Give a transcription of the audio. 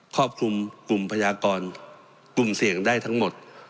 รอบคลุมกลุ่มพยากรกลุ่มเสี่ยงได้ทั้งหมด